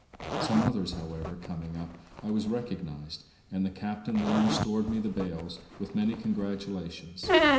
Some others, however, coming up, I was recognized; and the captain then restored me the bales, with many congratulations.